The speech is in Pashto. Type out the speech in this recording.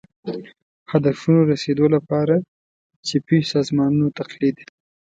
هدفونو رسېدو لپاره چپي سازمانونو تقلید